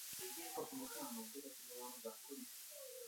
To je stejně jako hmotná nouze definováno v zákoně.